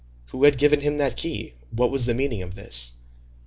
Who had given him that key? What was the meaning of this?